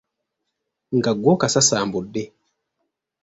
Nga ggwe okasasambudde.